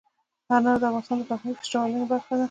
انار د افغانستان د فرهنګي فستیوالونو برخه ده.